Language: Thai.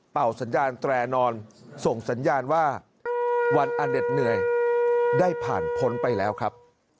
สัญญาณแตรนอนส่งสัญญาณว่าวันอเน็ดเหนื่อยได้ผ่านพ้นไปแล้วครับ